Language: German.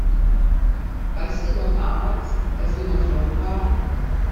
Weißt du noch damals, als wir noch jung waren?